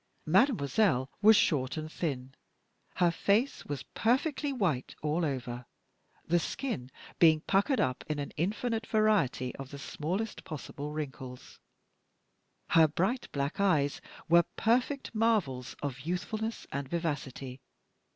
"Mademoiselle" was short and thin; her face was perfectly white all over, the skin being puckered up in an infinite variety of the smallest possible wrinkles. Her bright black eyes were perfect marvels of youthfulness and vivacity.